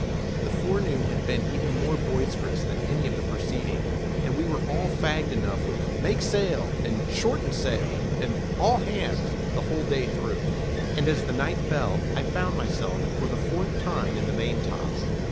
The forenoon had been even more boisterous than any of the preceding, and we were all fagged enough with "Make sail," and "Shorten sail," and "All hands," the whole day through; and as the night fell, I found myself, for the fourth time, in the maintop.